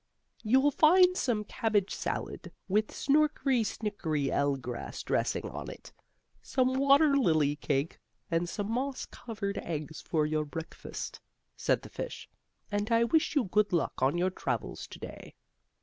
"You'll find some cabbage salad with snorkery snickery ell grass dressing on it, some water lily cake, and some moss covered eggs for your breakfast," said the fish. "And I wish you good luck on your travels to day."